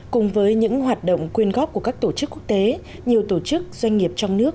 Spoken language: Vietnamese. cùng với những hoạt động quyên góp của các tổ chức quốc tế nhiều tổ chức doanh nghiệp trong nước